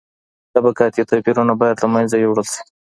طبقاتي توپیرونه باید له منځه یووړل سي.